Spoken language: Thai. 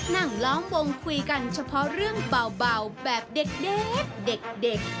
นั่งล้อมวงคุยกันเฉพาะเรื่องเบาแบบเด็ก